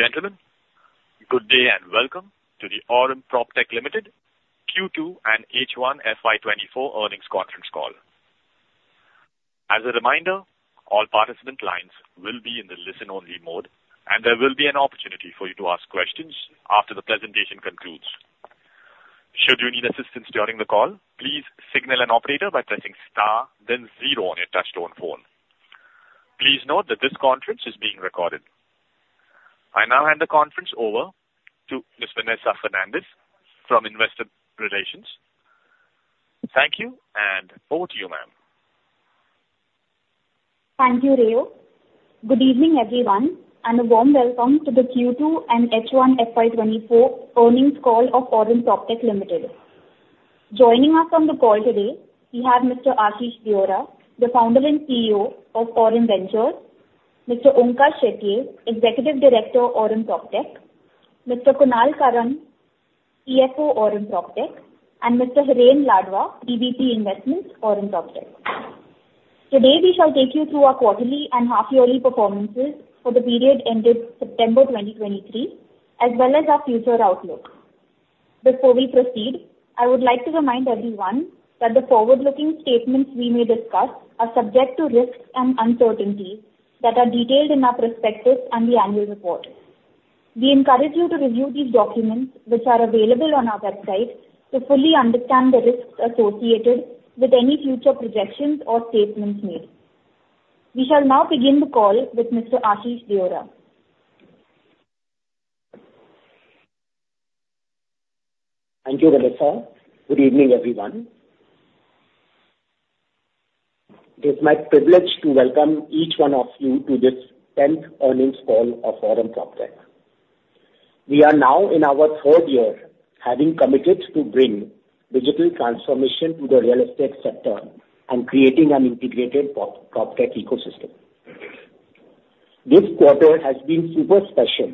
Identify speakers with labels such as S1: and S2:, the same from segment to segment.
S1: Ladies and gentlemen, good day, and welcome to the Aurum PropTech Limited Q2 and H1 FY 2024 earnings conference call. As a reminder, all participant lines will be in the listen-only mode, and there will be an opportunity for you to ask questions after the presentation concludes. Should you need assistance during the call, please signal an operator by pressing star then zero on your touchtone phone. Please note that this conference is being recorded. I now hand the conference over to Ms. Vanessa Fernandes from Investor Relations. Thank you, and over to you, ma'am.
S2: Thank you, Rayo. Good evening, everyone, and a warm welcome to the Q2 and H1 FY 2024 earnings call of Aurum PropTech Limited. Joining us on the call today, we have Mr. Ashish Deora, the Founder and CEO of Aurum Ventures; Mr. Onkar Shetye, Executive Director, Aurum PropTech; Mr. Kunal Karan, CFO, Aurum PropTech; and Mr. Hiren Ladva, EVP Investments, Aurum PropTech. Today, we shall take you through our quarterly and half-yearly performances for the period ended September 2023, as well as our future outlook. Before we proceed, I would like to remind everyone that the forward-looking statements we may discuss are subject to risks and uncertainties that are detailed in our prospectus and the annual report. We encourage you to review these documents, which are available on our website, to fully understand the risks associated with any future projections or statements made. We shall now begin the call with Mr. Ashish Deora.
S3: Thank you, Vanessa. Good evening, everyone. It is my privilege to welcome each one of you to this tenth earnings call of Aurum PropTech. We are now in our third year, having committed to bring digital transformation to the real estate sector and creating an integrated PropTech ecosystem. This quarter has been super special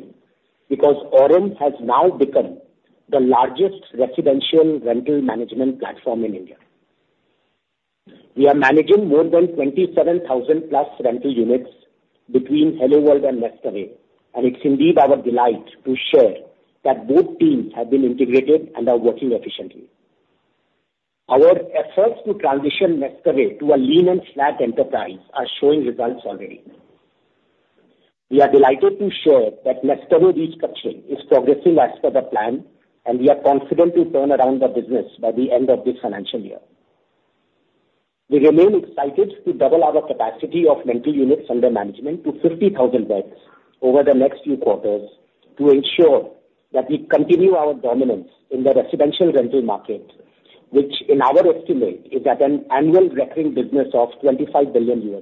S3: because Aurum has now become the largest residential rental management platform in India. We are managing more than 27,000+ rental units between HelloWorld and NestAway, and it's indeed our delight to share that both teams have been integrated and are working efficiently. Our efforts to transition NestAway to a lean and flat enterprise are showing results already. We are delighted to share that NestAway restructuring is progressing as per the plan, and we are confident to turn around the business by the end of this financial year. We remain excited to double our capacity of rental units under management to 50,000 beds over the next few quarters to ensure that we continue our dominance in the residential rental market, which in our estimate, is at an annual recurring business of $25 billion.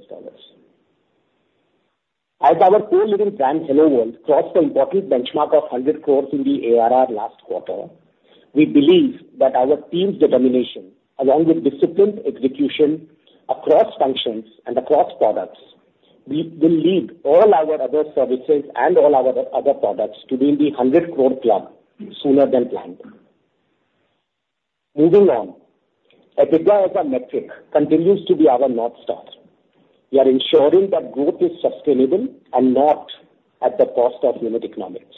S3: As our core living brand, HelloWorld, crossed the important benchmark of 100 crore in the ARR last quarter, we believe that our team's determination, along with disciplined execution across functions and across products, we will lead all our other services and all our other products to be in the 100 crore club sooner than planned. Moving on, EBITDA as a metric continues to be our North Star. We are ensuring that growth is sustainable and not at the cost of unit economics.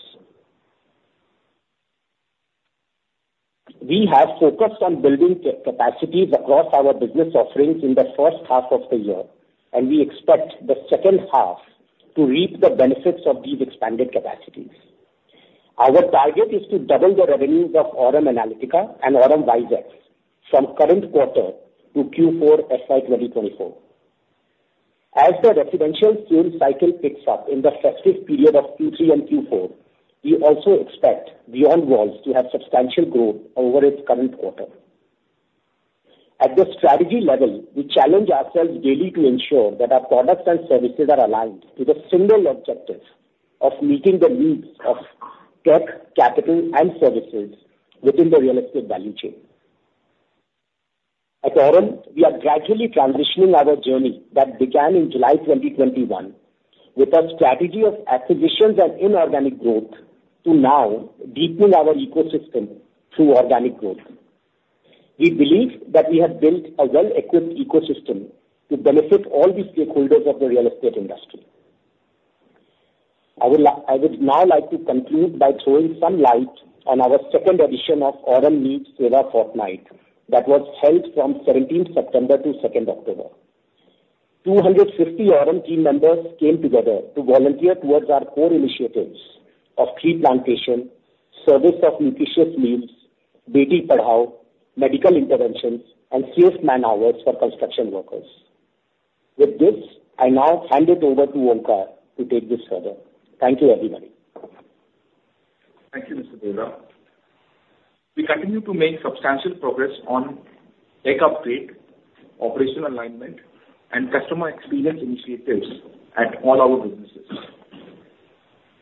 S3: We have focused on building capacities across our business offerings in the first half of the year, and we expect the second half to reap the benefits of these expanded capacities. Our target is to double the revenues of Aurum Analytica and Aurum WiseX from current quarter to Q4 FY 2024. As the residential sales cycle picks up in the festive period of Q3 and Q4, we also expect BeyondWalls to have substantial growth over its current quarter. At the strategy level, we challenge ourselves daily to ensure that our products and services are aligned to the single objective of meeting the needs of tech, capital, and services within the real estate value chain. At Aurum, we are gradually transitioning our journey that began in July 2021 with a strategy of acquisitions and inorganic growth to now deepening our ecosystem through organic growth. We believe that we have built a well-equipped ecosystem to benefit all the stakeholders of the real estate industry. I would now like to conclude by throwing some light on our second edition of Aurum Neev Seva Fortnight that was held from 17th September to 2nd October. 250 Aurum team members came together to volunteer towards our core initiatives of Tree Plantation, Service of Nutritious Meals, Beti Padhao, Medical Interventions, and Safe Man Hours for construction workers. With this, I now hand it over to Onkar to take this further. Thank you, everybody.
S4: Thank you, Mr. Deora. We continue to make substantial progress on tech upgrade, operational alignment, and customer experience initiatives at all our businesses.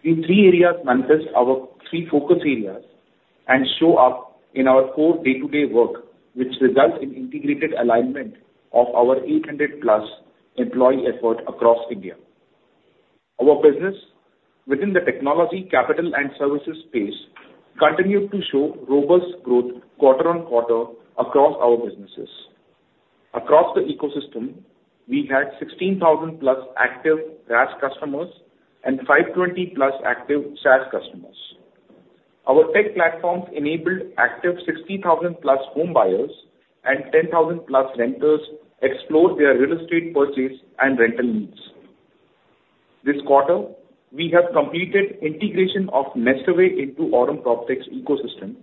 S4: These three areas manifest our three focus areas and show up in our core day-to-day work, which results in integrated alignment of our 800+ employee effort across India. Our business within the technology, capital, and services space continued to show robust growth quarter on quarter across our businesses. Across the ecosystem, we had 16,000+ active RaaS customers and 520+ active SaaS customers. Our tech platforms enabled active 60,000+ home buyers and 10,000+ renters explore their real estate purchase and rental needs. This quarter, we have completed integration of NestAway into Aurum PropTech's ecosystem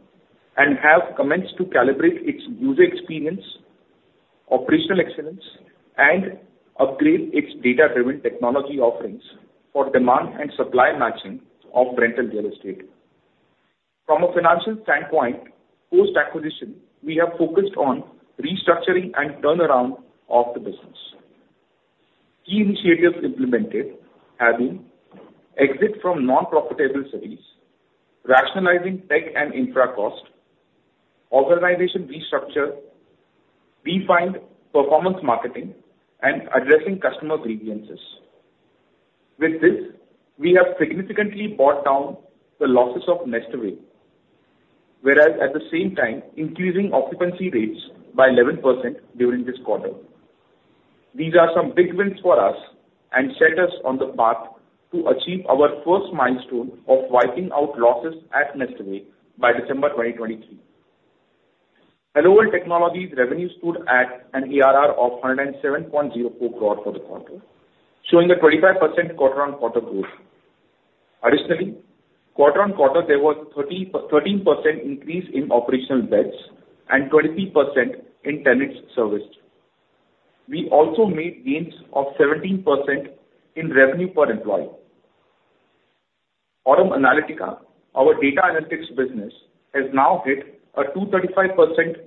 S4: and have commenced to calibrate its user experience, operational excellence, and upgrade its data-driven technology offerings for demand and supply matching of rental real estate. From a financial standpoint, post-acquisition, we have focused on restructuring and turnaround of the business. Key initiatives implemented have been exit from non-profitable cities, rationalizing tech and infra cost, organization restructure, refined performance marketing, and addressing customer grievances. With this, we have significantly brought down the losses of NestAway, whereas at the same time, increasing occupancy rates by 11% during this quarter. These are some big wins for us and set us on the path to achieve our first milestone of wiping out losses at NestAway by December 2023. HelloWorld Technologies revenue stood at an ARR of 107.04 crore for the quarter, showing a 25% quarter-on-quarter growth. Additionally, quarter-on-quarter, there was 33% increase in operational beds and 20% in tenants serviced. We also made gains of 17% in revenue per employee. Aurum Analytica, our data analytics business, has now hit a 235%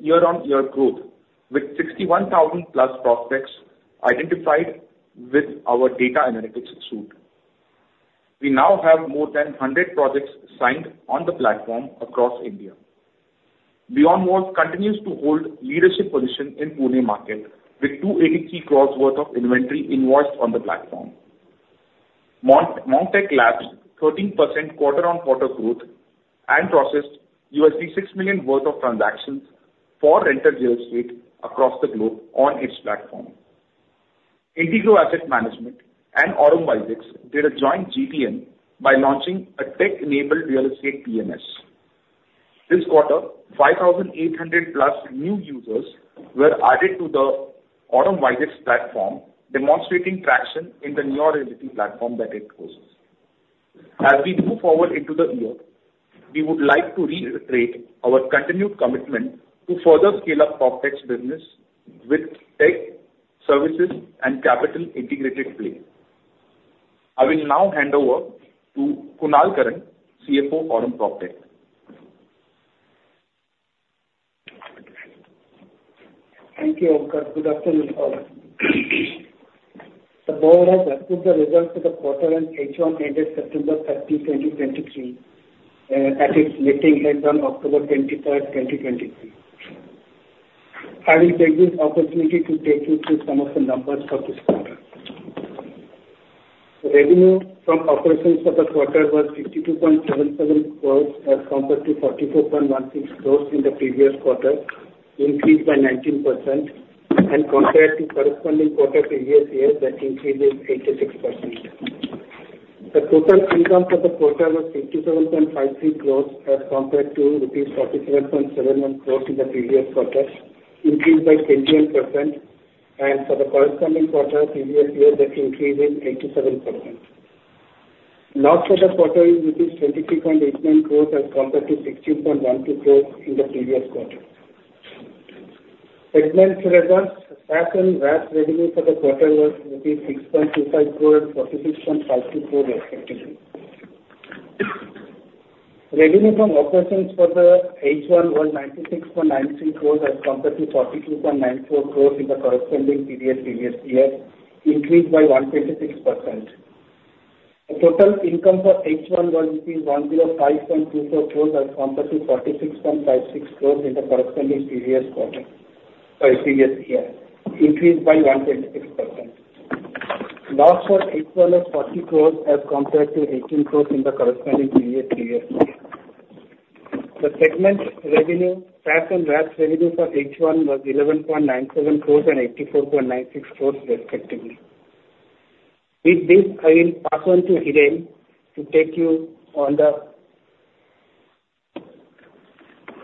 S4: year-on-year growth with 61,000+ prospects identified with our data analytics suite. We now have more than 100 projects signed on the platform across India. BeyondWalls continues to hold leadership position in Pune market, with 283 crores worth of inventory invoiced on the platform. Monk Tech Labs, 13% quarter-on-quarter growth and processed $6 million worth of transactions for rental real estate across the globe on its platform. Integrow Asset Management and Aurum WiseX did a joint GTM by launching a tech-enabled real estate PMS. This quarter, 5,800+ new users were added to the Aurum WiseX platform, demonstrating traction in the Neo-realty platform that it hosts. As we move forward into the year, we would like to reiterate our continued commitment to further scale up PropTech's business with tech, services, and capital integrated play. I will now hand over to Kunal Karan, CFO, Aurum PropTech.
S5: Thank you, Onkar. Good afternoon, all. The Board has approved the results for the quarter and H1 ended September 30, 2023, at its meeting held on October 23, 2023. I will take this opportunity to take you through some of the numbers for this quarter. Revenue from operations for the quarter was 62.77 crores, as compared to 44.16 crores in the previous quarter, increased by 19%, and compared to corresponding quarter previous year, that increase is 86%. The total income for the quarter was 87.53 crores, as compared to rupees 47.71 crores in the previous quarter, increased by 21%, and for the corresponding quarter previous year, that increase was 87%. Loss for the quarter is rupees 23.89 crores as compared to 16.12 crores in the previous quarter. Segment results, SaaS and RaaS revenue for the quarter was rupees 6.25 crores and 46.52 crores respectively. Revenue from operations for the H1 was 96.93 crores as compared to 42.94 crores in the corresponding period previous year, increased by 126%. The total income for H1 was 105.24 crores as compared to 46.56 crores in the corresponding previous quarter, previous year, increased by 126%. Loss for H1 was 40 crores as compared to 18 crores in the corresponding period previous year. The segment revenue, SaaS and RaaS revenue for H1 was 11.97 crores and 84.96 crores respectively. With this, I will pass on to Hiren to take you on the...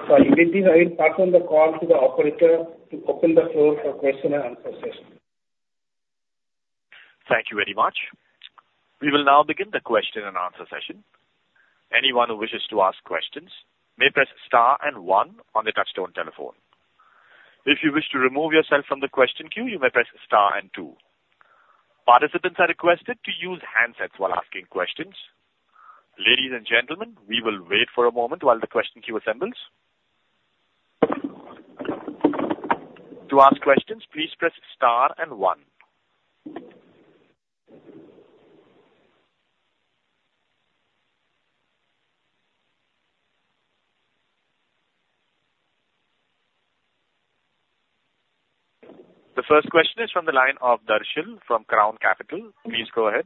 S5: Sorry, with this, I will pass on the call to the operator to open the floor for question and answer session.
S1: Thank you very much. We will now begin the question and answer session. Anyone who wishes to ask questions may press star and one on the touchtone telephone. If you wish to remove yourself from the question queue, you may press star and two. Participants are requested to use handsets while asking questions. Ladies and gentlemen, we will wait for a moment while the question queue assembles. To ask questions, please press star and one. The first question is from the line of Darshil from Crown Capital. Please go ahead.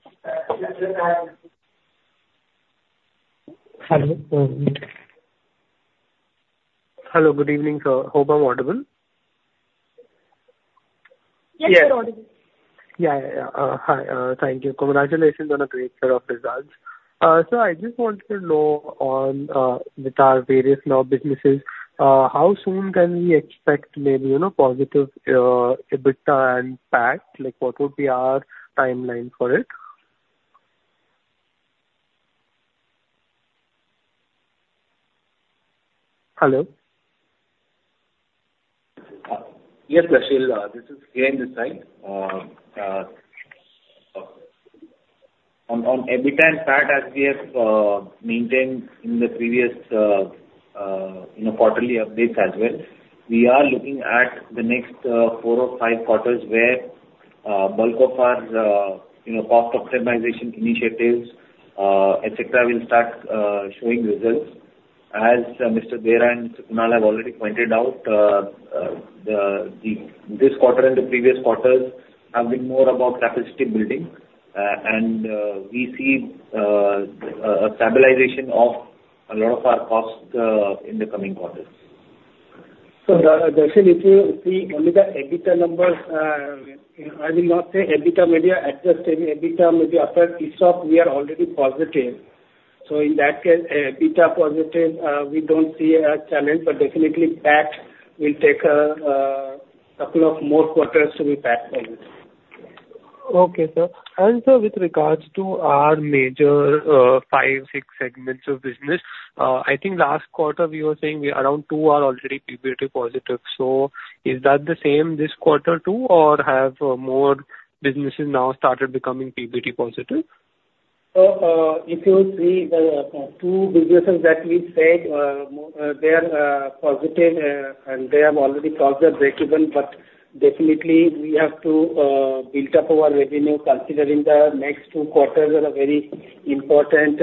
S6: Hello, hello, good evening, sir. Hope I'm audible?
S5: Yes, you're audible.
S6: Yeah, yeah, yeah. Hi, thank you. Congratulations on a great set of results. So I just wanted to know on, with our various now businesses, how soon can we expect maybe, you know, positive EBITDA and PAT? Like, what would be our timeline for it? Hello?
S7: Yes, Darshil, this is Hiren this side. On EBITDA and PAT, as we have maintained in the previous, you know, quarterly updates as well, we are looking at the next four or five quarters where bulk of our, you know, cost optimization initiatives, etc., will start showing results. As Mr. Deora and Kunal have already pointed out, this quarter and the previous quarters have been more about capacity building. And we see a stabilization of a lot of our costs in the coming quarters.
S5: So, Darshil, if you see only the EBITDA numbers, I will not say EBITDA, maybe adjusted EBITDA, maybe after ESOP, we are already positive. So in that case, EBITDA positive, we don't see a challenge, but definitely PAT will take a couple of more quarters to be PAT positive.
S6: Okay, sir. And sir, with regards to our major, five, six segments of business, I think last quarter we were saying we around two are already PBT positive. So is that the same this quarter, too, or have more businesses now started becoming PBT positive?
S7: So, if you see the two businesses that we said, they are positive, and they have already crossed their breakeven, but definitely we have to build up our revenue, considering the next two quarters are very important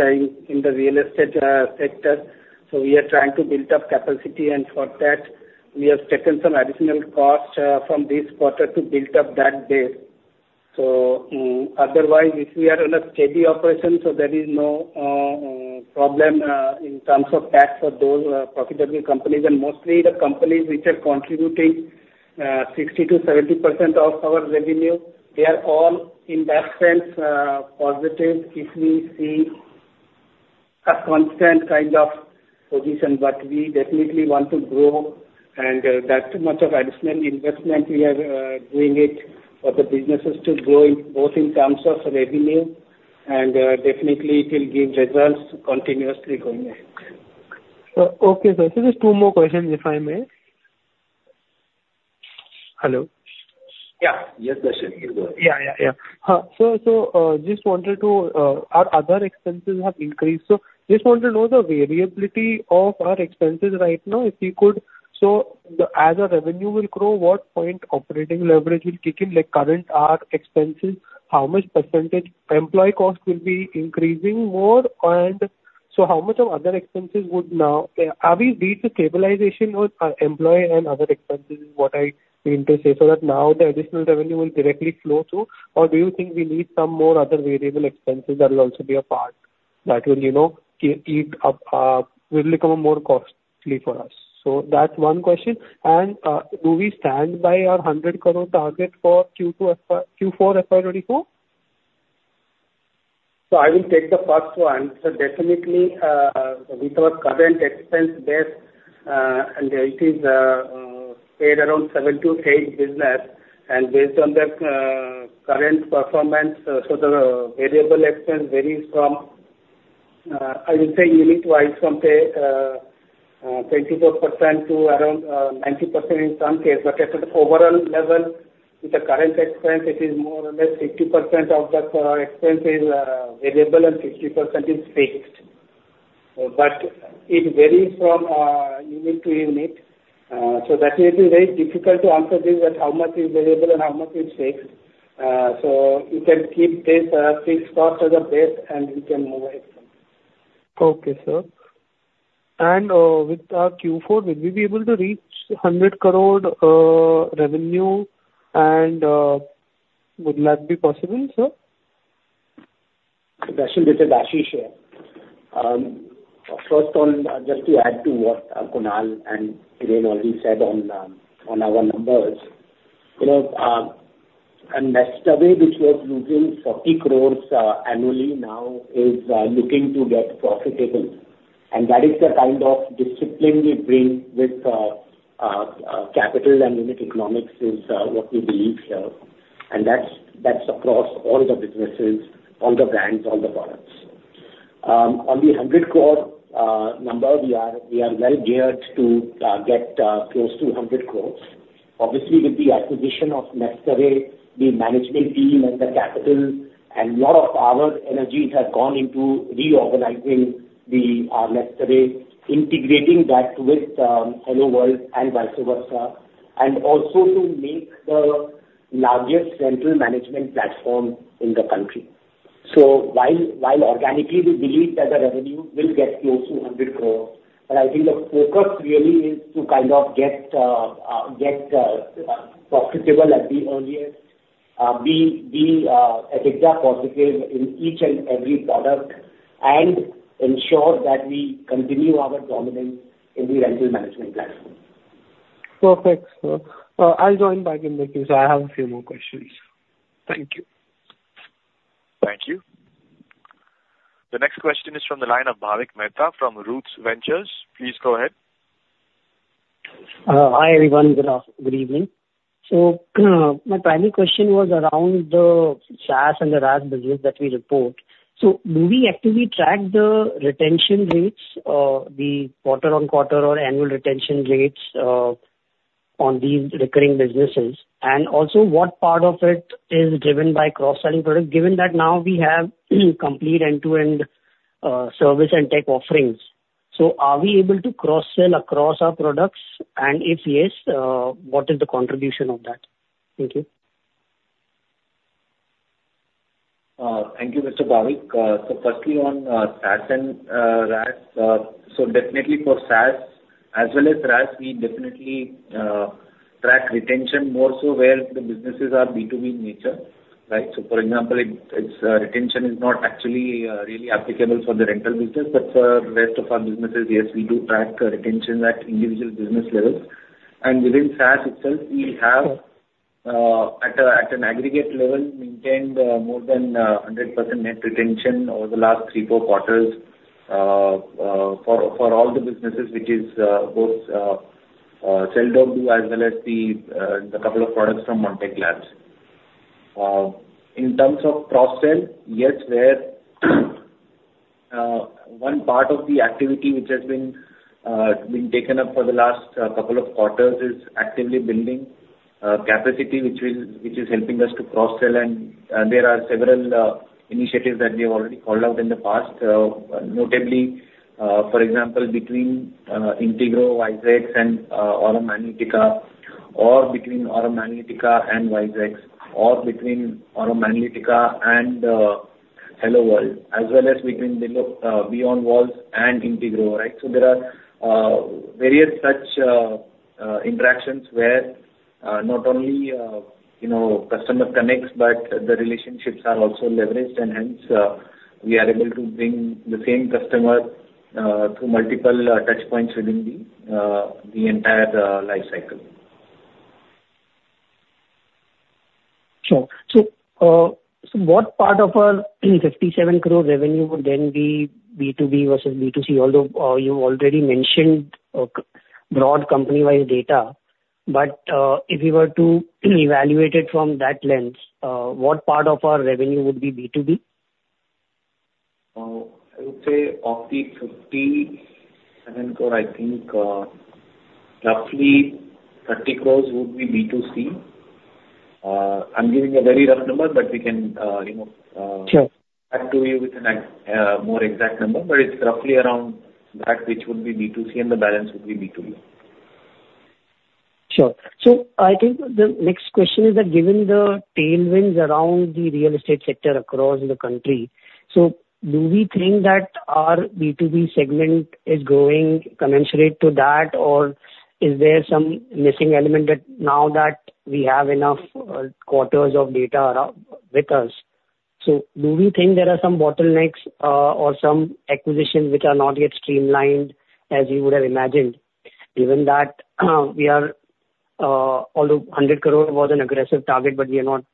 S7: in the real estate sector. So we are trying to build up capacity, and for that, we have taken some additional costs from this quarter to build up that base. So, otherwise, if we are on a steady operation, so there is no problem in terms of tax for those profitable companies. And mostly the companies which are contributing 60%-70% of our revenue, they are all in that sense positive, if we see a constant kind of position. But we definitely want to grow, and that much of additional investment we are doing it for the businesses to grow, in both in terms of revenue, and definitely it will give results continuously going ahead.
S6: Okay, sir. Just two more questions, if I may. Hello?
S3: Yeah. Yes, Darshil, please go ahead.
S6: Yeah, yeah, yeah. So, just wanted to our other expenses have increased, so just want to know the variability of our expenses right now, if you could. So, as our revenue will grow, what point operating leverage will kick in, like current, our expenses, how much percentage employee costs will be increasing more? And so how much of other expenses would now have we reached a stabilization with our employee and other expenses, is what I mean to say, so that now the additional revenue will directly flow through? Or do you think we need some more other variable expenses that will also be a part that will, you know, keep up, will become more costly for us? So that's one question. And, do we stand by our 100 crore target for Q2, Q4 FY 2024?
S7: So I will take the first one. So definitely, with our current expense base, and it is around seven to eight businesses, and based on that, current performance, so the variable expense varies from, I would say unit-wise from, say, 24% to around 90% in some case. But at the overall level, with the current expense, it is more or less 60% of the expense is variable and 50% is fixed. But it varies from unit to unit. So that will be very difficult to answer this, that how much is variable and how much is fixed. So you can keep this fixed cost as a base, and we can move ahead.
S6: Okay, sir. And with our Q4, will we be able to reach 100 crore revenue, and would that be possible, sir?
S3: Darshil, this is Ashish here. First on, just to add to what, Kunal and Hiren already said on, on our numbers. You know, and NestAway, which was losing 40 crore, annually, now is looking to get profitable. And that is the kind of discipline we bring with, capital and unit economics is what we believe, sir. And that's across all the businesses, all the brands, all the products. On the 100 crore number, we are well geared to get close to 100 crores. Obviously, with the acquisition of NestAway, the management team and the capital and lot of our energies have gone into reorganizing the NestAway, integrating that with HelloWorld and vice versa, and also to make the largest rental management platform in the country. So while, while organically, we believe that the revenue will get close to 100 crore, but I think the focus really is to kind of get profitable at the earliest. Be as positive in each and every product, and ensure that we continue our dominance in the rental management platform.
S6: Perfect, sir. I'll join back in the queue, so I have a few more questions. Thank you.
S1: Thank you. The next question is from the line of Bhavik Mehta from Roots Ventures. Please go ahead.
S8: Hi, everyone. Good evening. So my primary question was around the SaaS and the RaaS business that we report. So do we actually track the retention rates, the quarter-on-quarter or annual retention rates, on these recurring businesses? And also, what part of it is driven by cross-selling products, given that now we have complete end-to-end, service and tech offerings. So are we able to cross-sell across our products? And if yes, what is the contribution of that? Thank you.
S7: Thank you, Mr. Bhavik. So firstly on SaaS and RaaS, so definitely for SaaS as well as RaaS, we definitely track retention more so where the businesses are B2B in nature, right? So, for example, it's retention is not actually really applicable for the rental business, but for the rest of our businesses, yes, we do track retention at individual business levels. And within SaaS itself, we have at an aggregate level, maintained more than 100% net retention over the last three to four quarters for all the businesses, which is both sell.do as well as the couple of products from Monk Tech Labs. In terms of cross-sell, yes, where one part of the activity which has been taken up for the last couple of quarters is actively building capacity, which is helping us to cross-sell. And there are several initiatives that we have already called out in the past. Notably, for example, between Integrow, WiseX and Aurum Analytica, or between Aurum Analytica and WiseX, or between Aurum Analytica and HelloWorld, as well as between BeyondWalls and Integrow, right? So there are various such interactions where not only you know, customer connects, but the relationships are also leveraged, and hence we are able to bring the same customer through multiple touchpoints within the entire life cycle.
S8: Sure. So, so what part of our 57 crore revenue would then be B2B versus B2C? Although, you already mentioned a broad company-wide data, but, if you were to evaluate it from that lens, what part of our revenue would be B2B?
S7: I would say of the 57 crore, I think, roughly 30 crore would be B2C. I'm giving a very rough number, but we can, you know,
S8: Sure.
S7: Back to you with a more exact number, but it's roughly around that, which would be B2C, and the balance would be B2B.
S8: Sure. So I think the next question is that given the tailwinds around the real estate sector across the country, so do we think that our B2B segment is growing commensurate to that, or is there some missing element that now that we have enough quarters of data around with us, so do we think there are some bottlenecks, or some acquisitions which are not yet streamlined, as you would have imagined? Given that, we are, although 100 crore was an aggressive target, but we are not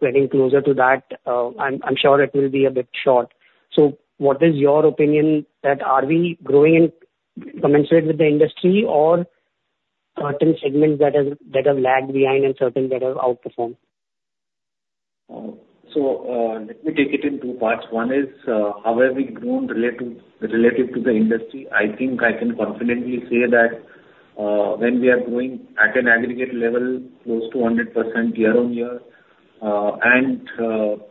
S8: getting closer to that. I'm sure it will be a bit short. So what is your opinion that are we growing incommensurate with the industry or certain segments that have lagged behind and certain that have outperformed?
S7: Let me take it in two parts. One is how have we grown relative to the industry? I think I can confidently say that when we are growing at an aggregate level close to 100% year-on-year and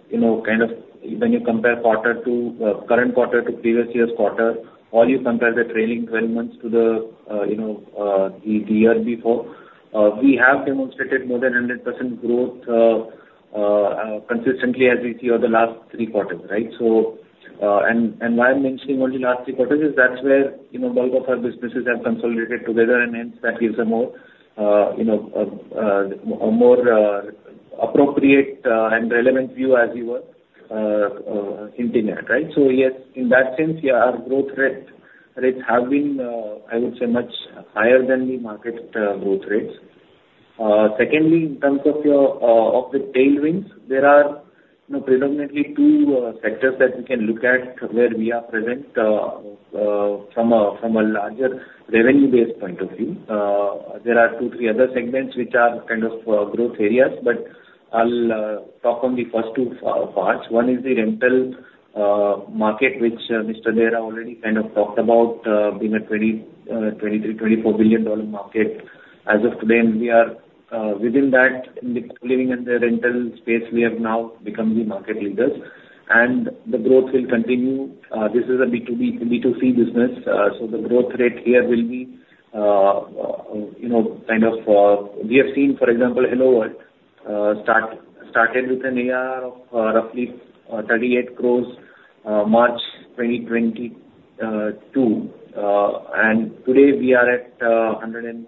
S7: you know kind of when you compare quarter to current quarter to previous year's quarter or you compare the trailing twelve months to the you know the year before we have demonstrated more than 100% growth consistently as we see over the last three quarters right? So, why I'm mentioning only the last three quarters is that's where, you know, bulk of our businesses have consolidated together, and hence that gives a more, you know, a more appropriate and relevant view as you were continuing, right? So, yes, in that sense, yeah, our growth rate, rates have been, I would say, much higher than the market growth rates. Secondly, in terms of your of the tailwinds, there are, you know, predominantly two sectors that we can look at where we are present from a larger revenue base point of view. There are two, three other segments which are kind of growth areas, but I'll talk on the first two parts. One is the rental market, which, Mr. Deora already kind of talked about being a $23- $24 billion market. As of today, we are within that, in the living and the rental space, we have now become the market leaders, and the growth will continue. This is a B2B, B2C business. So the growth rate here will be, you know, kind of, we have seen, for example, HelloWorld started with an ARR of roughly 38 crores in March 2022. And today we are at 108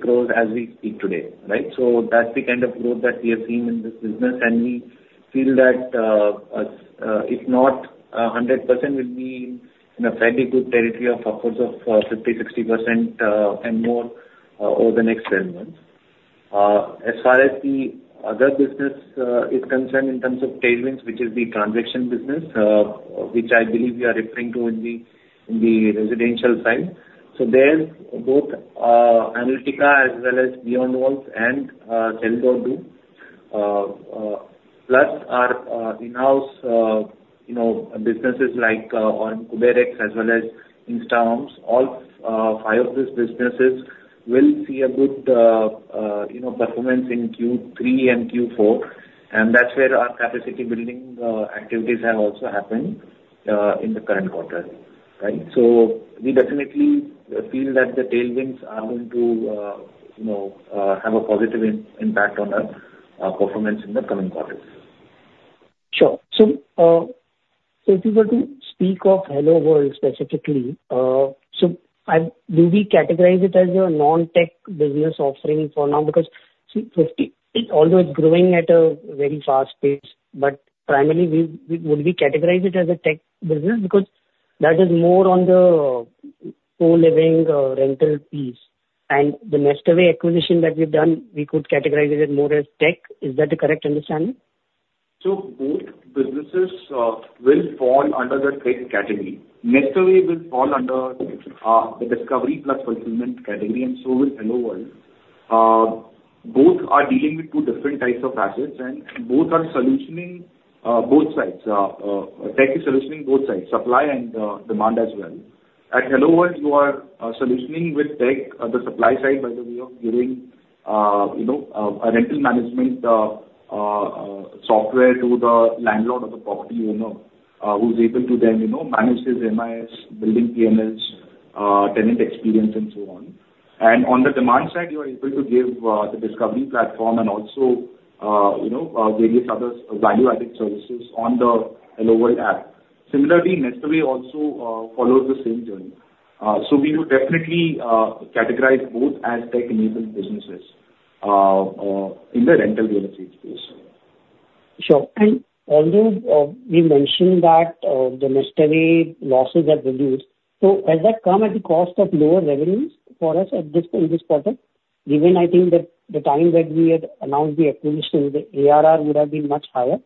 S7: crores as we speak today, right? So that's the kind of growth that we are seeing in this business, and we feel that, if not 100%, we'll be in a fairly good territory of upwards of 50%-60% and more over the next 10 months. As far as the other business is concerned in terms of tailwinds, which is the transaction business, which I believe you are referring to in the residential side. So there's both Analytica as well as Beyond Walls and sell.do plus our in-house you know businesses like on Aurum KuberX as well as InstaHomes. All five of these businesses will see a good you know performance in Q3 and Q4, and that's where our capacity building activities have also happened in the current quarter, right? So we definitely feel that the tailwinds are going to, you know, have a positive impact on our performance in the coming quarters.
S8: Sure. So, so if you were to speak of HelloWorld specifically, so, do we categorize it as a non-tech business offering for now? Because, see, fifty, it although it's growing at a very fast pace, but primarily we, we, would we categorize it as a tech business? Because that is more on the co-living, rental piece. And the NestAway acquisition that we've done, we could categorize it more as tech. Is that a correct understanding?
S4: So both businesses will fall under the tech category. NestAway will fall under the discovery plus fulfillment category, and so will HelloWorld. Both are dealing with two different types of assets, and both are solutioning both sides. Tech is solutioning both sides, supply and demand as well. At HelloWorld, you are solutioning with tech the supply side, by the way, of giving, you know, a rental management software to the landlord or the property owner who's able to then, you know, manage his MIS, building P&Ls, tenant experience, and so on. And on the demand side, you are able to give the discovery platform and also, you know, various other value-added services on the HelloWorld app. Similarly, NestAway also follows the same journey. We would definitely categorize both as tech-enabled businesses in the rental real estate space.
S8: Sure. And although, we mentioned that, the NestAway losses are reduced, so has that come at the cost of lower revenues for us at this, in this quarter? Given, I think, that the time that we had announced the acquisition, the ARR would have been much higher.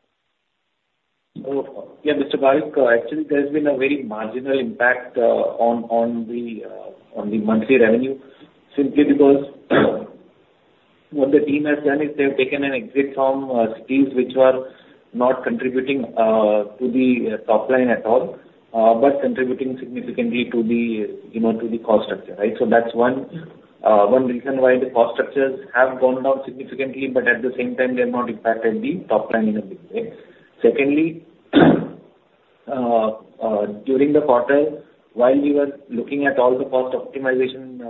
S7: Oh, yeah, Mr. Bhavik actually, there's been a very marginal impact on the monthly revenue. Simply because what the team has done is they've taken an exit from cities which were not contributing to the top line at all, but contributing significantly to the, you know, to the cost structure, right? So that's one reason why the cost structures have gone down significantly, but at the same time, they have not impacted the top line in a big way. Secondly, during the quarter, while we were looking at all the cost optimization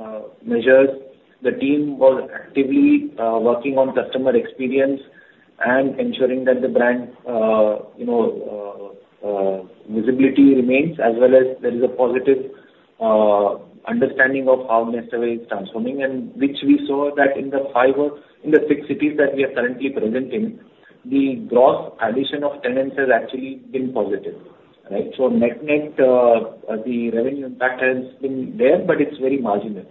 S7: measures, the team was actively working on customer experience and ensuring that the brand, you know, visibility remains as well as there is a positive understanding of how NestAway is transforming, and which we saw that in the five or in the six cities that we are currently present in, the gross addition of tenants has actually been positive, right? So net-net, the revenue impact has been there, but it's very marginal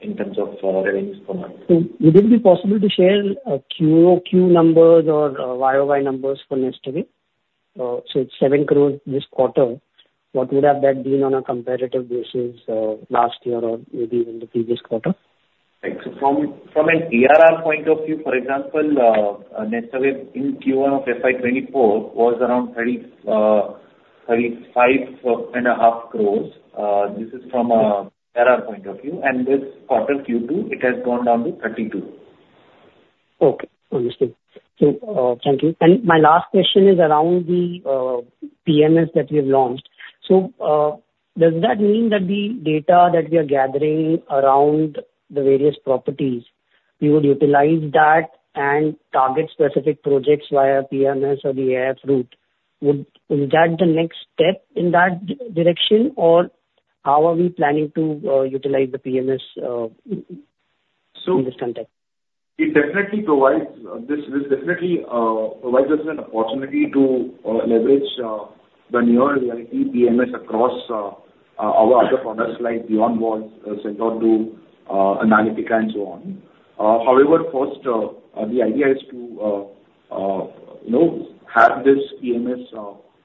S7: in terms of revenues per month.
S8: Would it be possible to share QoQ numbers or YoY numbers for NestAway? So it's 7 crore this quarter. What would have that been on a comparative basis, last year or maybe in the previous quarter?
S7: Right. So from a ARR point of view, for example, NestAway in Q1 of FY 2024 was around 35.5 crores. This is from a ARR point of view, and this quarter, Q2, it has gone down to 32 crores.
S8: Okay. Understood. So, thank you. And my last question is around the PMS that we've launched. So, does that mean that the data that we are gathering around the various properties, we would utilize that and target specific projects via PMS or the AIF route? Is that the next step in that direction, or how are we planning to utilize the PMS in this context?
S7: It definitely provides us an opportunity to leverage the newer Realty PMS across our other products like BeyondWalls, sell.do, Analytica and so on. However, first, the idea is to you know have this PMS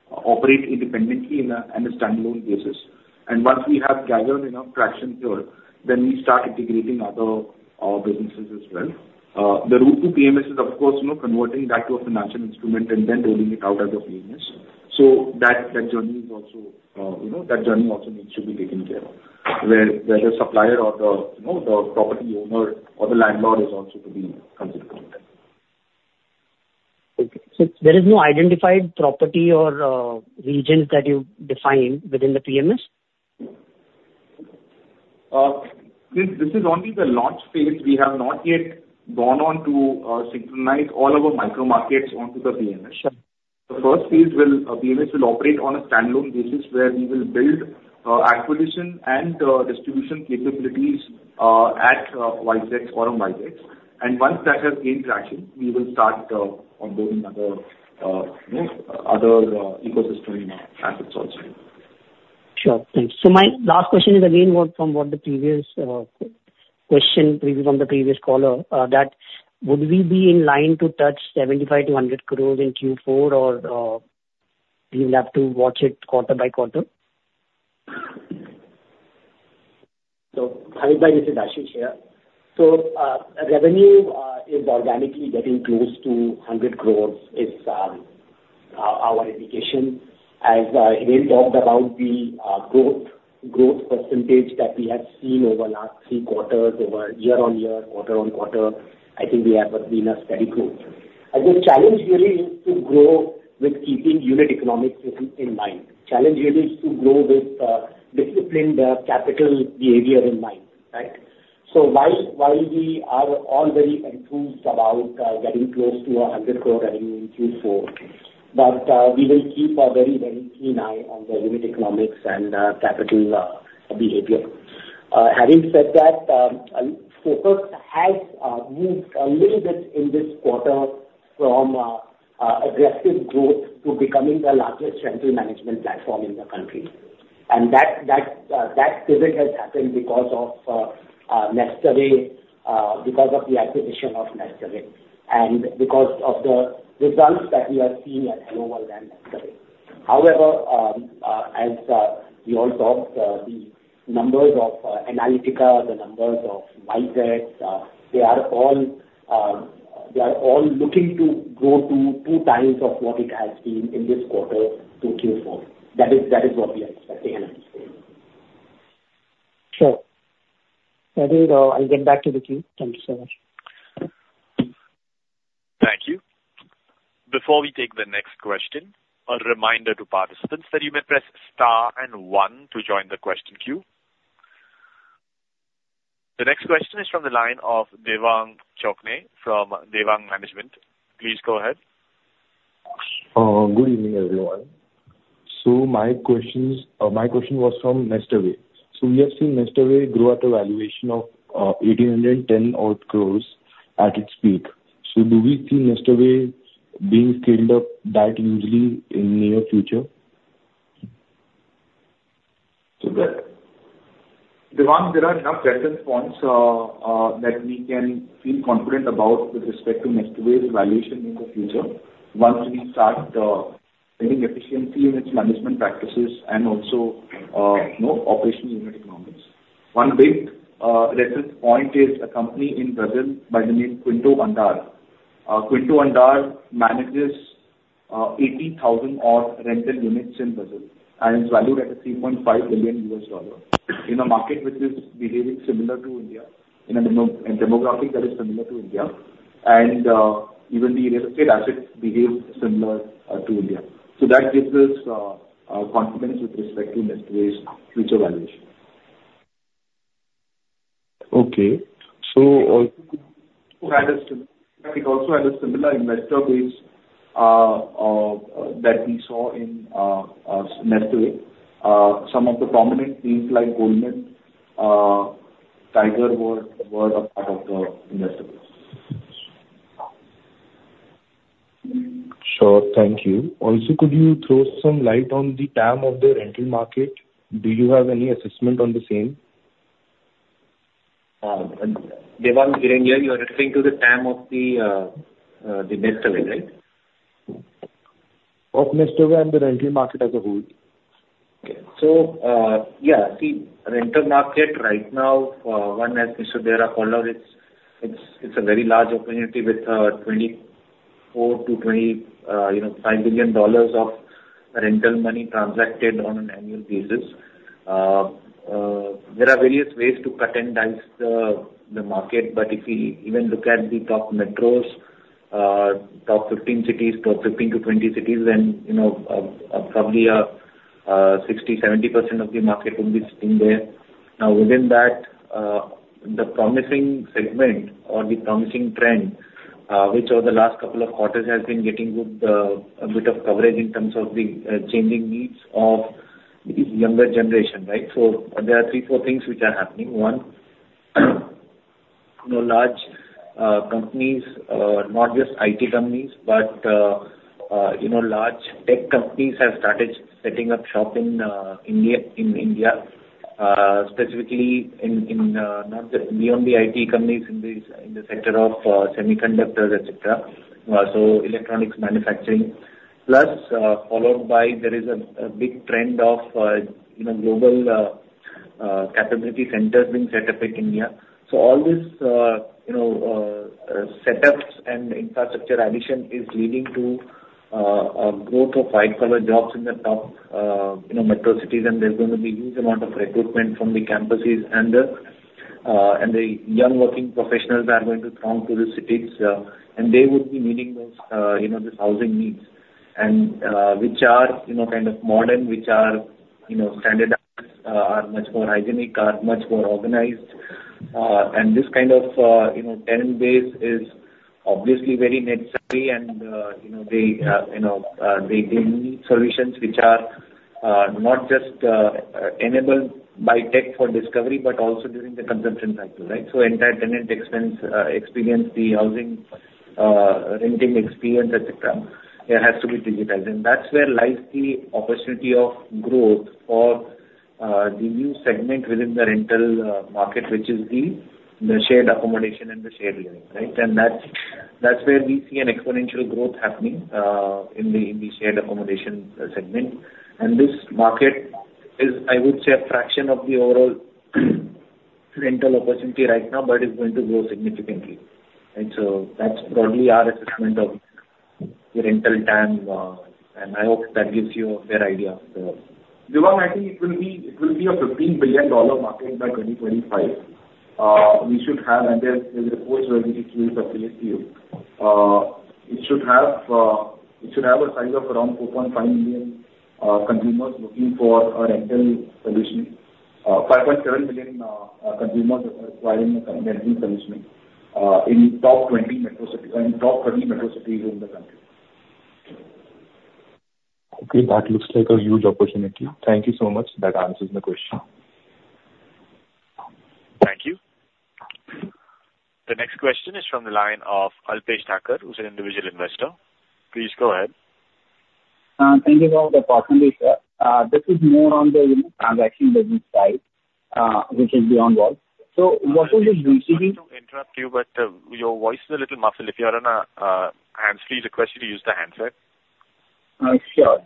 S7: operate independently on a standalone basis. And once we have gathered enough traction here, then we start integrating other businesses as well. The route to PMS is of course you know converting that to a financial instrument and then rolling it out as a PMS. So that journey is also you know that journey also needs to be taken care of, where the supplier or the you know the property owner or the landlord is also to be considered.
S8: Okay. So there is no identified property or, regions that you've defined within the PMS?
S7: This is only the launch phase. We have not yet gone on to synchronize all our micro markets onto the PMS. The first phase will, PMS will operate on a standalone basis, where we will build acquisition and distribution capabilities at Aurum WiseX. And once that has gained traction, we will start onboarding other, you know, other ecosystem assets also.
S8: Sure. Thanks. So my last question is again, what from what the previous question previous from the previous caller, that would we be in line to touch 75-100 crores in Q4, or, do you have to watch it quarter-by-quarter?
S3: So Bhavik, this is Ashish here. So, revenue is organically getting close to 100 crore. It's our indication as Hiren talked about the growth, growth percentage that we have seen over last three quarters, over year-on-year, quarter-on-quarter, I think we have been a steady growth. I think challenge really is to grow with keeping unit economics in, in mind. Challenge really is to grow with disciplined capital behavior in mind, right? So while, while we are all very enthused about getting close to a 100 crore revenue in Q4, but we will keep a very, very keen eye on the unit economics and capital behavior. Having said that, focus has moved a little bit in this quarter from aggressive growth to becoming the largest rental management platform in the country.
S7: That pivot has happened because of NestAway, because of the acquisition of NestAway, and because of the results that we are seeing at HelloWorld and NestAway. However, as we all talked, the numbers of Analytica, the numbers of WiseX, they are all looking to grow to 2x of what it has been in this quarter to Q4. That is what we are expecting and understanding.
S8: Sure. I will, I'll get back to the queue. Thank you so much.
S1: Thank you. Before we take the next question, a reminder to participants that you may press star and one to join the question queue. The next question is from the line of Devang Chokhany from Devang Management. Please go ahead.
S9: Good evening, everyone. So my questions, my question was from NestAway. So we have seen NestAway grow at a valuation of 1,810 odd crores at its peak. So do we see NestAway being scaled up that usually in near future?
S4: So Devang, there are enough reference points that we can feel confident about with respect to NestAway's valuation in the future. Once we start bringing efficiency in its management practices and also, you know, operational unit economics. One big reference point is a company in Brazil by the name QuintoAndar. QuintoAndar manages 80,000-odd rental units in Brazil and is valued at $3.5 billion. In a market which is behaving similar to India, in a demographic that is similar to India, and even the real estate assets behave similar to India. So that gives us confidence with respect to NestAway's valuation.
S9: Okay. So,
S4: It also had a similar investor base that we saw in NestAway. Some of the prominent names like Goldman, Tiger were a part of the investor base.
S9: Sure. Thank you. Also, could you throw some light on the TAM of the rental market? Do you have any assessment on the same?
S7: Devang, Hiren here, you are referring to the TAM of the NestAway, right?
S9: Of NestAway and the rental market as a whole.
S7: Okay. So, yeah, see, rental market right now, one, as Mr. Deora called out, it's a very large opportunity with $24 billion-$25 billion, you know, billion dollars of rental money transacted on an annual basis. There are various ways to cut and dice the market, but if we even look at the top metros, top 15 cities, top 15 cities-20 cities, and, you know, probably 60%-70% of the market will be sitting there. Now, within that, the promising segment or the promising trend, which over the last couple of quarters has been getting good a bit of coverage in terms of the changing needs of the younger generation, right? So there are three, four things which are happening. One, you know, large companies, not just IT companies, but, you know, large tech companies have started setting up shop in India, specifically in, beyond the IT companies, in the sector of semiconductors, etcetera. So electronics manufacturing, plus, followed by there is a big trend of, you know, global capability centers being set up in India. So all these, you know, setups and infrastructure addition is leading to a growth of white-collar jobs in the top, you know, metro cities, and there's going to be huge amount of recruitment from the campuses and the young working professionals are going to come to the cities, and they would be meeting those, you know, this housing needs. And, which are, you know, kind of modern, which are, you know, standardized, are much more hygienic, are much more organized. And this kind of, you know, tenant base is obviously very necessary and, you know, they need solutions which are not just enabled by tech for discovery, but also during the consumption cycle, right? So entire tenant experience, the housing renting experience, et cetera, it has to be digitized. And that's where lies the opportunity of growth for the new segment within the rental market, which is the shared accommodation and the shared living, right? And that's where we see an exponential growth happening in the shared accommodation segment. And this market is, I would say, a fraction of the overall rental opportunity right now, but it's going to grow significantly. And so that's broadly our assessment of the rental TAM, and I hope that gives you a fair idea.
S4: Devang, I think it will be a $15 billion market by 2025. We should have, and there's a report where it is affiliated. It should have a size of around 4.5 million consumers looking for a rental solution. 5.7 million consumers requiring a rental solution, in top 20 metro cities, in top 30 metro cities in the country.
S9: Okay, that looks like a huge opportunity. Thank you so much. That answers my question.
S1: Thank you. The next question is from the line of Alpesh Thacker, who's an individual investor. Please go ahead.
S10: Thank you for the opportunity, sir. This is more on the, you know, transaction business side, which is BeyondWalls. So what will be recently-
S1: Sorry to interrupt you, but, your voice is a little muffled. If you are on a, hands-free, request you to use the handset.
S10: Sure.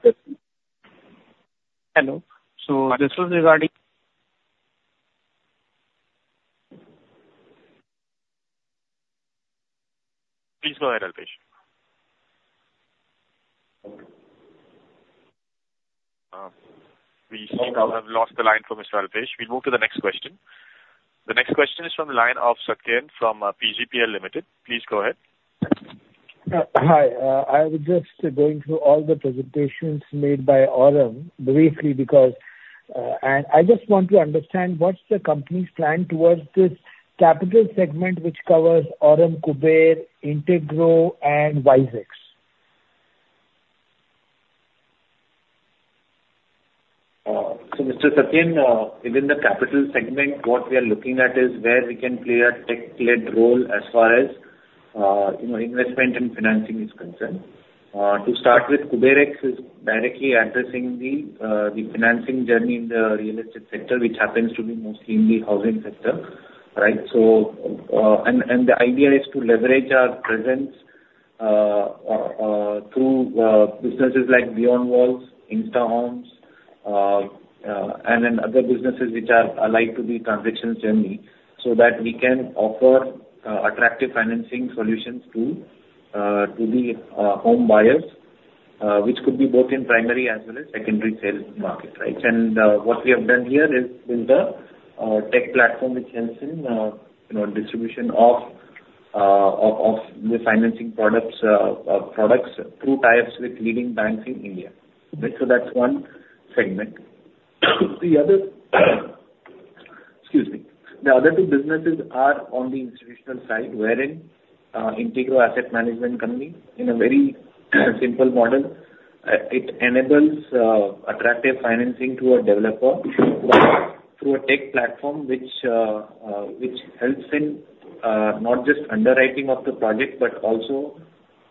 S10: Hello. So this was regarding.
S1: Please go ahead, Alpesh. We seem to have lost the line from Mr. Alpesh. We'll move to the next question. The next question is from the line of Satyen from PGPL Limited. Please go ahead.
S11: Hi. I was just going through all the presentations made by Aurum, briefly because, and I just want to understand what's the company's plan towards this capital segment, which covers Aurum KuberX, Integrow, and WiseX?
S7: So Mr. Satyen, within the capital segment, what we are looking at is where we can play a tech-led role as far as, you know, investment and financing is concerned. To start with, KuberX is directly addressing the financing journey in the real estate sector, which happens to be mostly in the housing sector, right? So, and the idea is to leverage our presence through businesses like BeyondWalls, InstaHomes, and then other businesses which are alike to the transactions journey, so that we can offer attractive financing solutions to the home buyers, which could be both in primary as well as secondary sales market, right? What we have done here is build a tech platform which helps in, you know, distribution of the financing products through ties with leading banks in India. Right, so that's one segment. The other excuse me. The other two businesses are on the institutional side, wherein Integrow Asset Management Company, in a very simple model, it enables attractive financing to a developer through a tech platform which helps in not just underwriting of the project, but also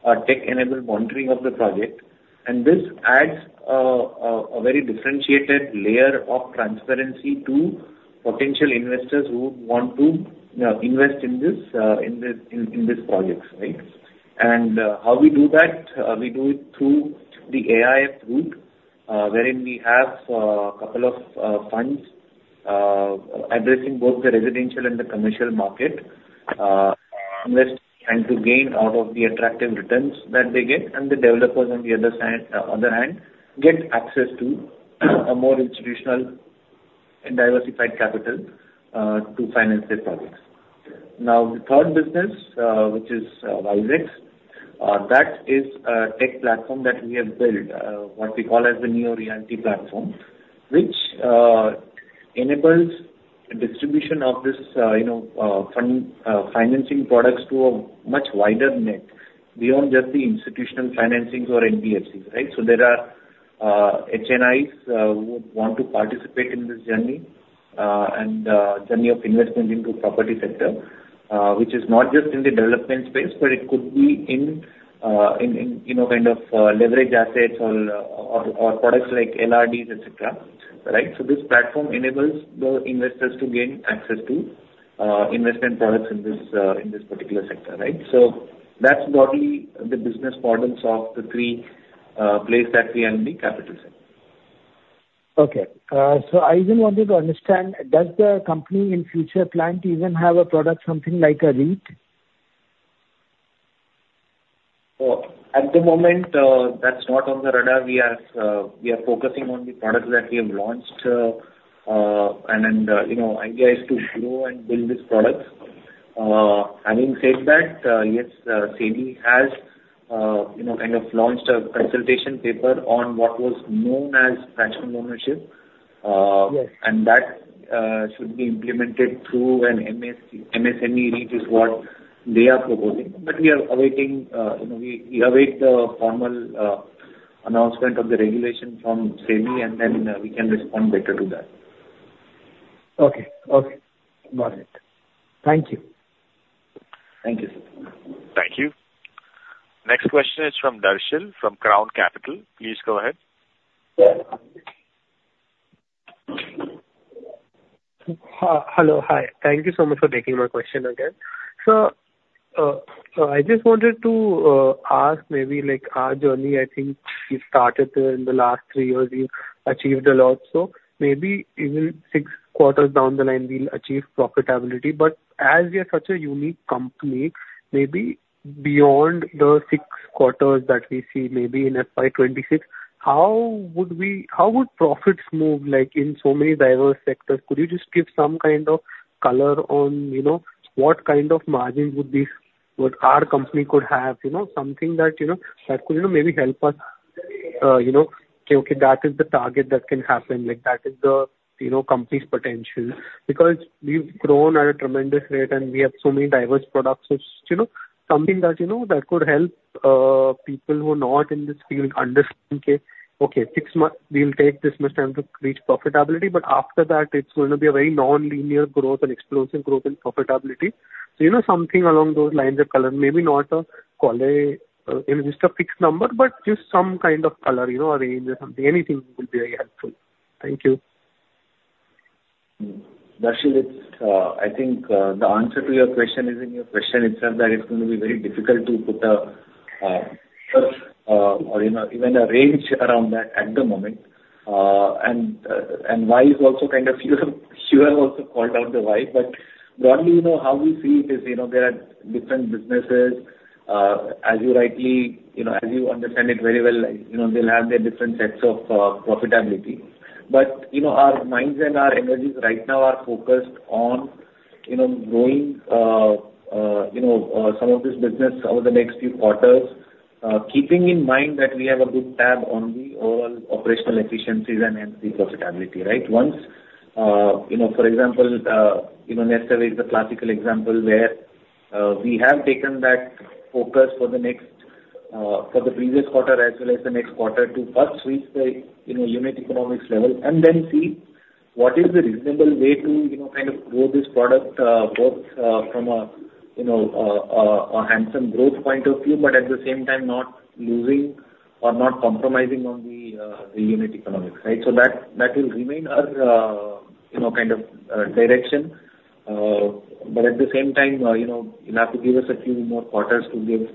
S7: a tech-enabled monitoring of the project. And this adds a very differentiated layer of transparency to potential investors who would want to invest in this projects, right? And how we do that? We do it through the AIF route, wherein we have a couple of funds addressing both the residential and the commercial market, invest to gain out of the attractive returns that they get, and the developers on the other side, other hand, get access to a more institutional and diversified capital to finance their projects. Now, the third business, which is WiseX, that is a tech platform that we have built, what we call as the neo-realty platform, which enables distribution of this, you know, fund financing products to a much wider net, beyond just the institutional financings or NBFCs, right? So there are HNIs who would want to participate in this journey and journey of investment into property sector, which is not just in the development space, but it could be in you know, kind of, leverage assets or products like LRDs, et cetera, right? So this platform enables the investors to gain access to investment products in this in this particular sector, right? So that's broadly the business models of the three plays that we have in the capital segment.
S11: Okay, so I even wanted to understand, does the company in future plan to even have a product, something like a REIT?
S7: So at the moment, that's not on the radar. We are, we are focusing on the products that we have launched, and then, you know, idea is to grow and build these products. Having said that, yes, SEBI has, you know, kind of launched a consultation paper on what was known as fractional ownership.
S11: Yes.
S7: That should be implemented through an MSME REIT, is what they are proposing. But we are awaiting, you know, we await the formal announcement of the regulation from SEBI, and then we can respond better to that.
S11: Okay. Okay, got it. Thank you.
S7: Thank you, sir.
S1: Thank you. Next question is from Darshil, from Crown Capital. Please go ahead.
S6: Hi. Hello, hi. Thank you so much for taking my question again. So, so I just wanted to ask maybe, like, our journey, I think you started in the last three years, you've achieved a lot, so maybe even six quarters down the line, we'll achieve profitability. But as we are such a unique company, maybe beyond the six quarters that we see, maybe in FY 2026, how would we... How would profits move, like, in so many diverse sectors? Could you just give some kind of color on, you know, what kind of margins would be, what our company could have? You know, something that, you know, that could, you know, maybe help us, you know, say, okay, that is the target that can happen, like, that is the, you know, company's potential. Because we've grown at a tremendous rate, and we have so many diverse products, which, you know, something that, you know, that could help people who are not in this field understand, okay, okay, six months, we'll take this much time to reach profitability, but after that it's going to be a very nonlinear growth and explosive growth in profitability. So, you know, something along those lines of color, maybe not a call, a just a fixed number, but just some kind of color, you know, a range or something. Anything will be very helpful. Thank you.
S7: Darshil, it's, I think, the answer to your question is in your question itself, that it's going to be very difficult to put a, or, you know, even a range around that at the moment. And why is also kind of, you have also called out the why. But broadly, you know, how we see it is, you know, there are different businesses, as you rightly, you know, as you understand it very well, you know, they'll have their different sets of, profitability. But, you know, our minds and our energies right now are focused on, you know, growing, you know, some of this business over the next few quarters. Keeping in mind that we have a good tab on the overall operational efficiencies and the profitability, right? Once, you know, for example, NestAway is a classical example where we have taken that focus for the next, for the previous quarter as well as the next quarter, to first reach the, you know, unit economics level, and then see what is the reasonable way to, you know, kind of grow this product, both from a, you know, handsome growth point of view, but at the same time, not losing or not compromising on the unit economics, right? So that will remain our, you know, kind of direction. But at the same time, you know, you'll have to give us a few more quarters to give, you know,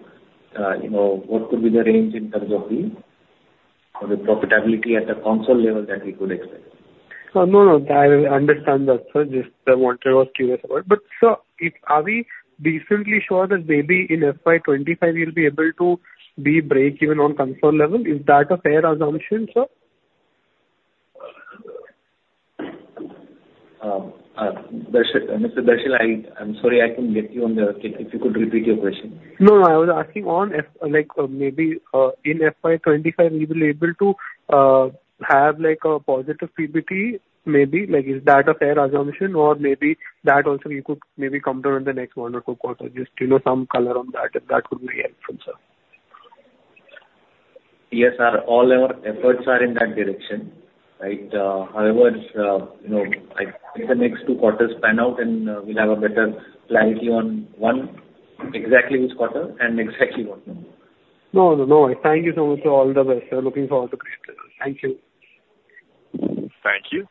S7: what could be the range in terms of the, or the profitability at a consolidated level that we could expect.
S6: No, no, I understand that, sir. Just, wanted, was curious about. But, sir, if are we decently sure that maybe in FY 2025 we'll be able to be breakeven on consolidated level? Is that a fair assumption, sir?
S7: Darshil, Mr. Darshil, I'm sorry, I didn't get you on the... If you could repeat your question.
S6: No, I was asking on, like, maybe, in FY 2025, we will able to, have, like, a positive PBT, maybe, like, is that a fair assumption? Or maybe that also you could maybe come down in the next one or two quarters. Just, you know, some color on that, that would be helpful, sir.
S7: Yes, all our efforts are in that direction, right? However, you know, I let the next two quarters pan out, and we'll have a better clarity on one, exactly which quarter and exactly what.
S6: No, no, no. Thank you so much. All the best, sir. Looking forward to great results. Thank you.
S1: Thank you.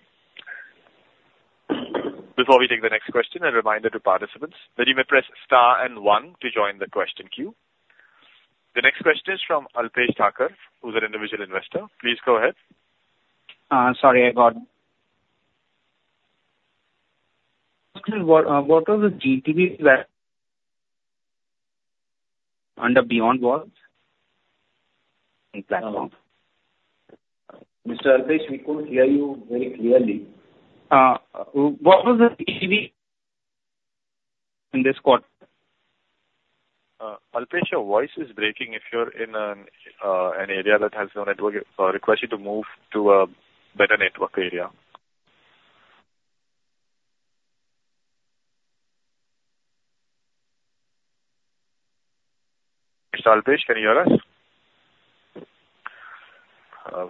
S1: Before we take the next question, a reminder to participants that you may press star and one to join the question queue. The next question is from Alpesh Thakkar, who's an individual investor. Please go ahead.
S10: Sorry, I got it. What, what was the GTV plan under BeyondWalls platform?
S7: Mr. Alpesh, we couldn't hear you very clearly.
S10: What was the GTV in this quarter?
S1: Alpesh, your voice is breaking. If you're in an area that has no network, I request you to move to a better network area. Mr. Alpesh, can you hear us?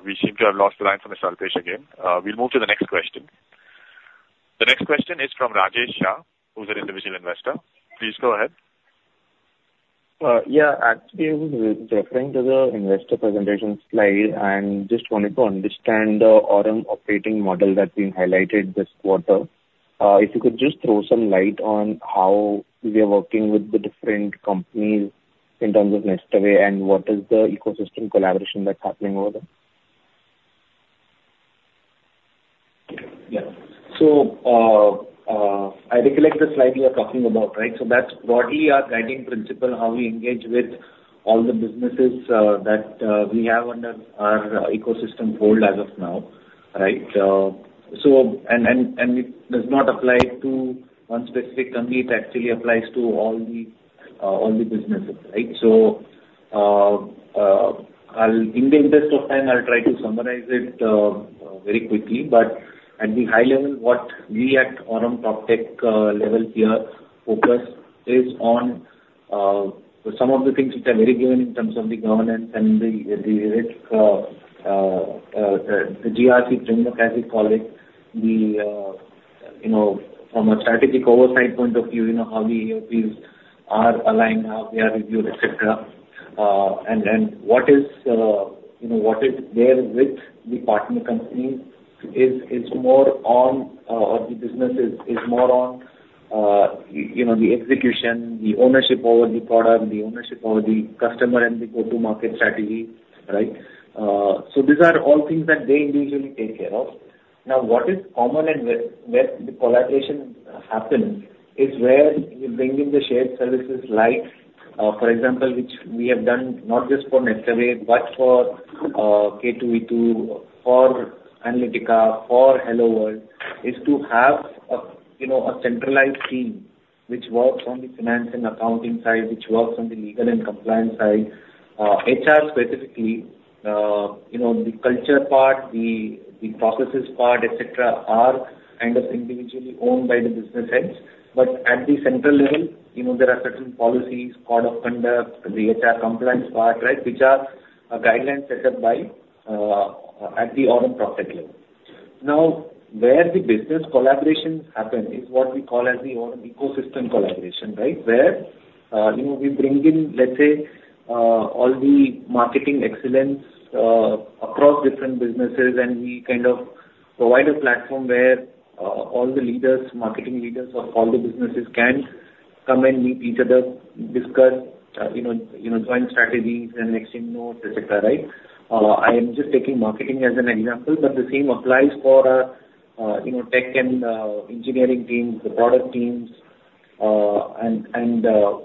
S1: We seem to have lost the line from Mr. Alpesh again. We'll move to the next question. The next question is from Rajesh Shah, who's an individual investor. Please go ahead.
S12: Yeah, actually, I was referring to the investor presentation slide, and just wanted to understand the RM operating model that's been highlighted this quarter. If you could just throw some light on how we are working with the different companies in terms of NestAway, and what is the ecosystem collaboration that's happening over there?
S7: Yeah. So, I recollect the slide you are talking about, right? So that's broadly our guiding principle, how we engage with all the businesses, that we have under our ecosystem fold as of now, right? So it does not apply to one specific company, it actually applies to all the, all the businesses, right? So, I'll in the interest of time, I'll try to summarize it, very quickly. But at the high level, what we at Aurum PropTech, level here focus is on, some of the things which are very given in terms of the governance and the, the risk, the GRC framework, as we call it. The, you know, from a strategic oversight point of view, you know, how the AOPs are aligned, how they are reviewed, et cetera. And what is there with the partner companies is more on, or the business is more on, you know, the execution, the ownership over the product, the ownership over the customer, and the go-to-market strategy, right? So these are all things that they individually take care of. Now, what is common and where the collaboration happens is where you bring in the shared services, like, for example, which we have done not just for NestAway, but for K2V2, for Analytica, for HelloWorld, is to have a, you know, a centralized team which works on the finance and accounting side, which works on the legal and compliance side. HR specifically, you know, the culture part, the processes part, et cetera, are kind of individually owned by the business heads. But at the central level, you know, there are certain policies, Code of Conduct, the HR compliance part, right? Which are guidelines set up by at the Aurum PropTech level. Now, where the business collaborations happen is what we call as the Aurum Ecosystem Collaboration, right? Where you know, we bring in, let's say, all the marketing excellence across different businesses, and we kind of provide a platform where all the leaders, marketing leaders of all the businesses can come and meet each other, discuss you know, you know, joint strategies and exchange notes, et cetera, right? I am just taking marketing as an example, but the same applies for you know, tech and engineering teams, the product teams. And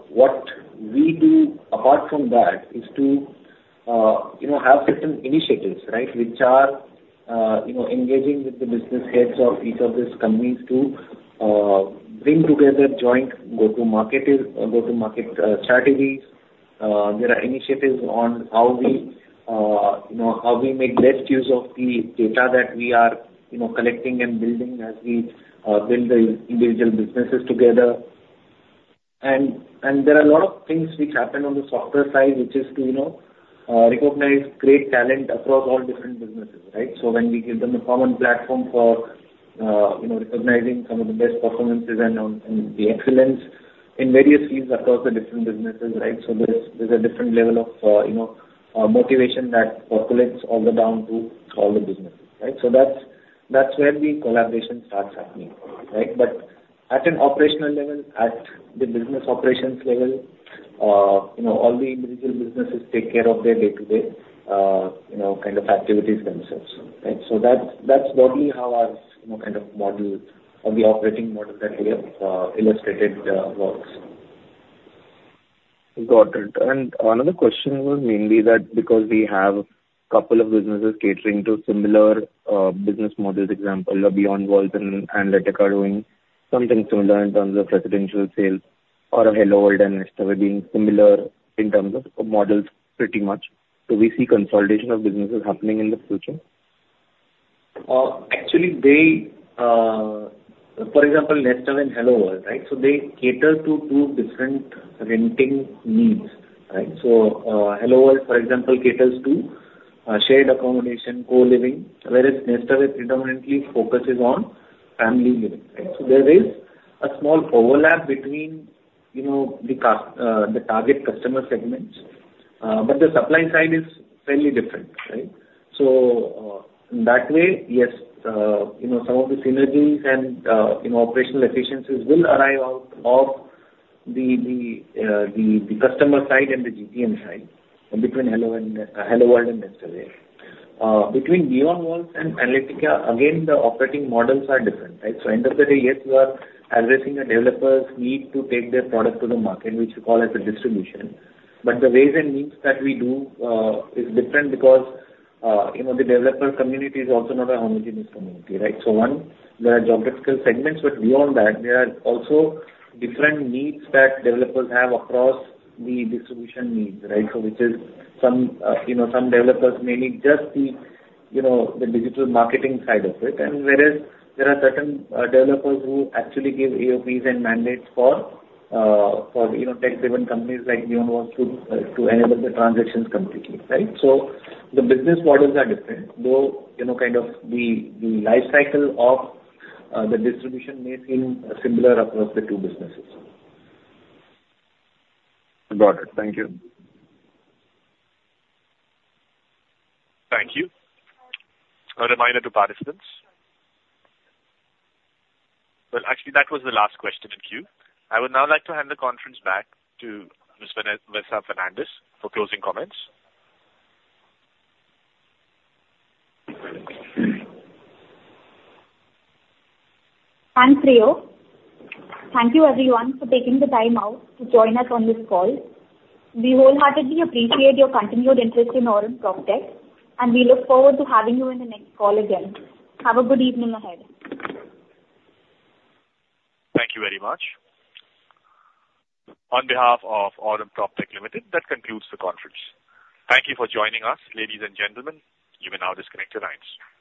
S7: what we do apart from that is to you know, have certain initiatives, right? Which are, you know, engaging with the business heads of each of these companies to bring together joint go-to-market strategies. There are initiatives on how we, you know, how we make best use of the data that we are, you know, collecting and building as we build the individual businesses together. And there are a lot of things which happen on the software side, which is to, you know, recognize great talent across all different businesses, right? So when we give them a common platform for, you know, recognizing some of the best performances and the excellence in various fields across the different businesses, right? So there's a different level of, you know, motivation that percolates all the way down to all the businesses, right? So that's where the collaboration starts happening, right? But at an operational level, at the business operations level, you know, all the individual businesses take care of their day-to-day, you know, kind of activities themselves, right? So that's, that's broadly how our, you know, kind of model or the operating model that I, illustrated, works.
S12: Got it. Another question was mainly that because we have a couple of businesses catering to similar business models, for example, BeyondWalls and Aurum Analytica are doing something similar in terms of residential sales or HelloWorld and NestAway being similar in terms of models pretty much. Do we see consolidation of businesses happening in the future?
S7: Actually, they for example, NestAway and HelloWorld, right? So they cater to two different renting needs, right? So, HelloWorld, for example, caters to shared accommodation, co-living, whereas NestAway predominantly focuses on family living, right? So there is a small overlap between, you know, the target customer segments, but the supply side is fairly different, right? So, in that way, yes, you know, some of the synergies and, you know, operational efficiencies will arrive out of the customer side and the GTN side between HelloWorld and NestAway. Between BeyondWalls and Aurum Analytica, again, the operating models are different, right? So end of the day, yes, we are addressing a developer's need to take their product to the market, which we call as a distribution. But the ways and means that we do, is different because, you know, the developer community is also not a homogeneous community, right? So one, there are geographical segments, but beyond that, there are also different needs that developers have across the distribution needs, right? So which is some, you know, some developers may need just the, you know, the digital marketing side of it. And whereas there are certain, developers who actually give AOPs and mandates for, you know, tech-driven companies like BeyondWalls to, enable the transactions completely, right? So the business models are different, though, you know, kind of the life cycle of, the distribution may seem similar across the two businesses.
S12: Got it. Thank you.
S1: Thank you. A reminder to participants well, actually, that was the last question in queue. I would now like to hand the conference back to Ms. Vanessa Fernandes for closing comments.
S2: Thanks, Rayo. Thank you everyone for taking the time out to join us on this call. We wholeheartedly appreciate your continued interest in Aurum PropTech, and we look forward to having you in the next call again. Have a good evening ahead.
S1: Thank you very much. On behalf of Aurum PropTech Limited, that concludes the conference. Thank you for joining us, ladies and gentlemen. You may now disconnect your lines.